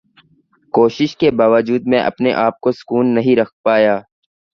کوشش کے باوجود میں اپنے آپ کو سکون نہیں رکھ پایا۔